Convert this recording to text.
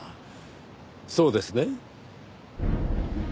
そうですね？